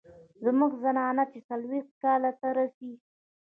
زمونږ زنانه چې څلوېښتو کالو ته رسي